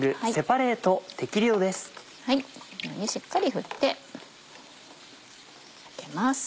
このようにしっかり振ってかけます。